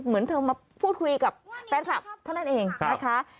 เหมือนเธอมาพูดคุยกับแฟนคลับเท่านั้นเองนะคะ